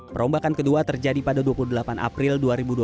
perombakan kedua terjadi pada dua puluh delapan april dua ribu dua puluh